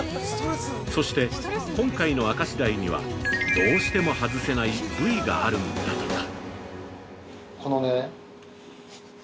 そして、今回の明石鯛にはどうしても外せない部位があるんだとか！